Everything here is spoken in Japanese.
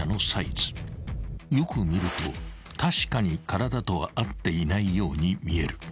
［よく見ると確かに体とは合っていないように見える］